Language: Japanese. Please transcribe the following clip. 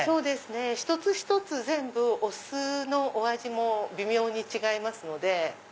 一つ一つお酢のお味も微妙に違いますので。